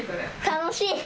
楽しい。